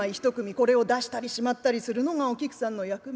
これを出したりしまったりするのがお菊さんの役目。